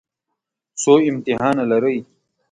څو امتحانه لرئ؟